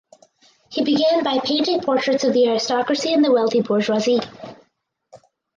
He began by painting portraits of the aristocracy and the wealthy bourgeoisie.